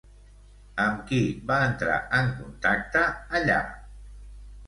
Amb qui va entrar en contacte allà?